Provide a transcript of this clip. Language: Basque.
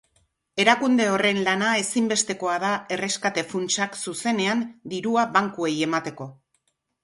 Erakunde horren lana ezinbestekoa da erreskate funtsak zuzenean dirua bankuei emateko.